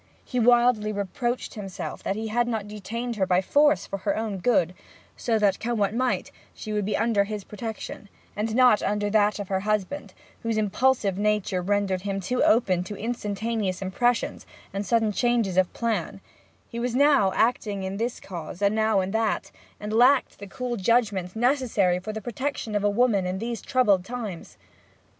He wildly reproached himself that he had not detained her by force for her own good, so that, come what might, she would be under his protection and not under that of her husband, whose impulsive nature rendered him too open to instantaneous impressions and sudden changes of plan; he was now acting in this cause and now in that, and lacked the cool judgment necessary for the protection of a woman in these troubled times.